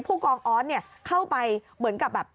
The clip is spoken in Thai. ผู้กองออสเนี่ยเข้าไปเหมือนกับแบบ